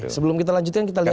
sebelum kita lanjutkan kita lihat